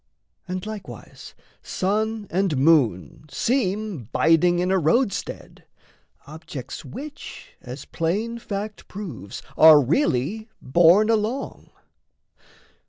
And likewise sun and moon Seem biding in a roadstead, objects which, As plain fact proves, are really borne along.